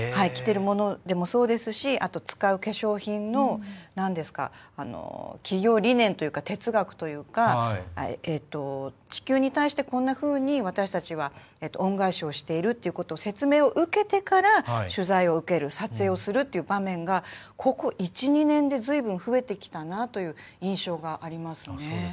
着ているものでもそうですしあと、使う化粧品の企業理念というか哲学というか地球に対してこんなふうに私たちは恩返しをしているっていうことを説明を受けてから取材を受ける撮影をするという場面がここ１２年で、ずいぶん増えてきたなという印象がありますね。